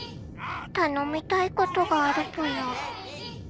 「たのみたいことがあるぽよ」。